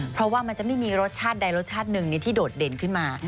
เพราะว่ามันจะไม่มีรสชาติใดรสชาติหนึ่งที่โดดเด่นขึ้นมา